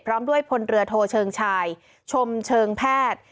พร้อมด้วยพลเรือโทเชิงชายชมเชิงแพทย์